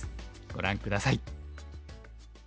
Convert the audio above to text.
ご覧下さい。